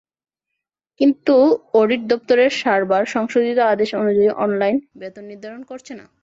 কিন্তু অডিট দপ্তরের সার্ভার সংশোধিত আদেশ অনুযায়ী অনলাইনে বেতন নির্ধারণ করছে না।